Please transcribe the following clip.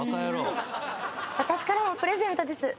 私からもプレゼントです。